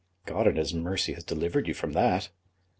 "God in His mercy has delivered you from that."